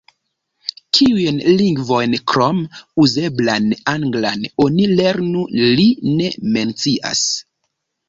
Kiujn lingvojn krom "uzeblan anglan" oni lernu, li ne mencias.